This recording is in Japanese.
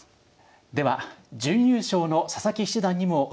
では準優勝の佐々木七段にも伺います。